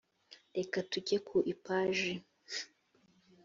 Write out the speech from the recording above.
reka tujye ku ipaji